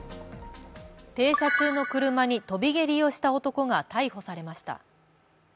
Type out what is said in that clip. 停車中の車に跳び蹴りをした男が逮捕されました。